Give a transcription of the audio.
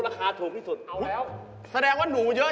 แม่ขนดันเลย